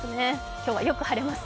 今日はよく晴れます。